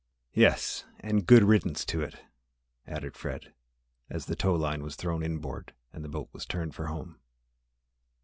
"Yes, and good riddance to it!" added Fred, as the tow line was thrown inboard and the boat was turned for home.